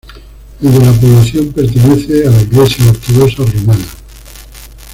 El de la población pertenece a la Iglesia ortodoxa rumana.